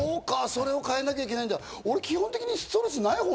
それを変えなきゃいけないんだ。